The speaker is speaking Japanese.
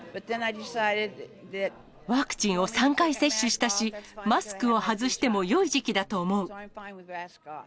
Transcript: ワクチンを３回接種したし、マスクを外してもよい時期だと思う。